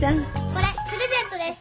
これプレゼントです。